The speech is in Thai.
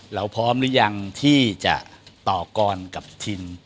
เราพร้อมหรือยังที่จะต่อกรกับทิน